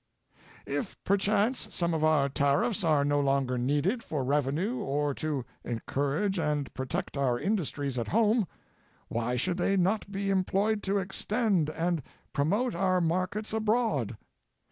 If perchance some of our tariffs are no longer needed for revenue or to encourage and protect our industries at home, why should they not be employed to extend and promote our markets abroad?